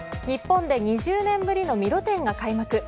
日本で２０年ぶりの「ミロ展」が開幕。